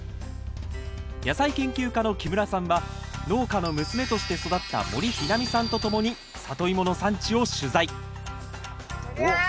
野菜研究家の木村さんは農家の娘として育った森日菜美さんとともにサトイモの産地を取材どりゃ！